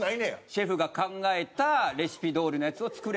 シェフが考えたレシピどおりのやつを作れば。